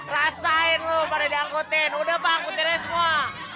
rasain lo pada diangkutin udah apa angkutinnya semua